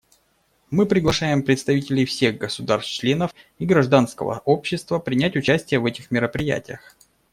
Мы приглашаем представителей всех государств-членов и гражданского общества принять участие в этих мероприятиях.